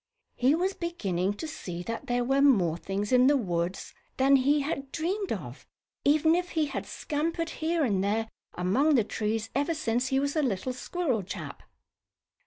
He was beginning to see that there were more things in the woods than he had dreamed of, even if he had scampered here and there among the trees ever since he was a little squirrel chap.